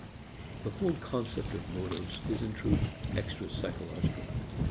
The whole concept of motives is in truth extra psychological.